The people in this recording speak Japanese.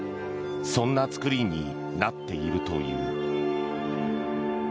そんな作りになっているという。